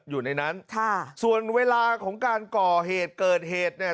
อยู่ในนั้นค่ะส่วนเวลาของการก่อเหตุเกิดเหตุเนี่ย